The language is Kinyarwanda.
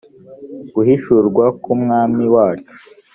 guhishurwa k’umwami wacu